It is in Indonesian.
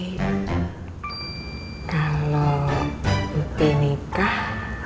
jadi kalau mp nikah